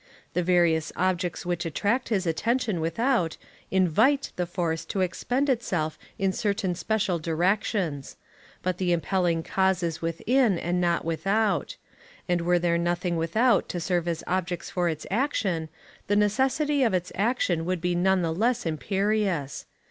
The various objects which attract his attention without, invite the force to expend itself in certain special directions; but the impelling cause is within, and not without; and were there nothing without to serve as objects for its action, the necessity of its action would be none the less imperious.